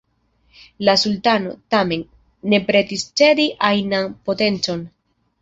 La Sultano, tamen, ne pretis cedi ajnan potencon.